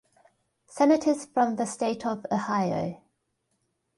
Senators from the state of Ohio.